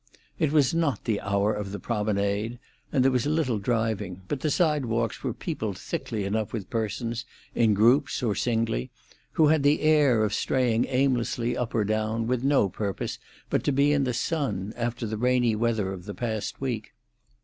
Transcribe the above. It was not the hour of the promenade, and there was little driving; but the sidewalks were peopled thickly enough with persons, in groups, or singly, who had the air of straying aimlessly up or down, with no purpose but to be in the sun, after the rainy weather of the past week.